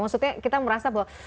maksudnya kita merasa bahwa